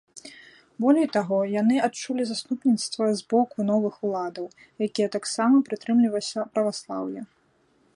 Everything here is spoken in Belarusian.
Болей таго, яны адчулі заступніцтва з боку новых уладаў, якія таксама прытрымліваліся праваслаўя.